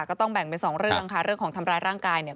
ก็ต้องแบ่งเป็นสองเรื่องค่ะเรื่องของทำร้ายร่างกายเนี่ย